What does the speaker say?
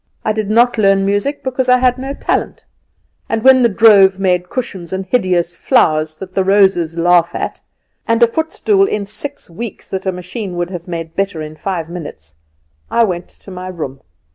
I did not learn music, because I had no talent; and when the drove made cushions, and hideous flowers that the roses laugh at, and a footstool in six weeks that a machine would have made better in five minutes, I went to my room.